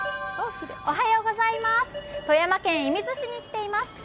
富山県射水市に来ています。